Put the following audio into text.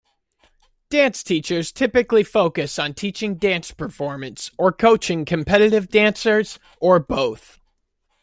Dance teachers typically focus on teaching dance performance, or coaching competitive dancers, or both.